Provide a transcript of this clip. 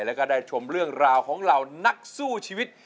แล้วก็ได้ชมเรื่องราวของเหล่านักสู้ชีวิต